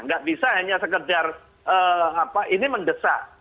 nggak bisa hanya sekedar ini mendesak